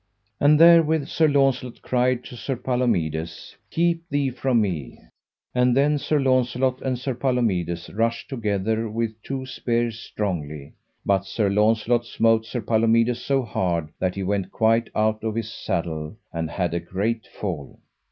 And therewith Sir Launcelot cried to Sir Palomides: Keep thee from me. And then Sir Launcelot and Sir Palomides rushed together with two spears strongly, but Sir Launcelot smote Sir Palomides so hard that he went quite out of his saddle, and had a great fall.